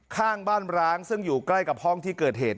ข้างบ้านร้างซึ่งอยู่ใกล้กับห้องที่เกิดเหตุ